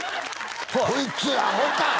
「はい」こいつアホか！